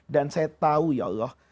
dan saya tahu ya allah